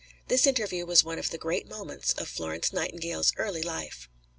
This interview was one of the great moments of Florence Nightingale's early life.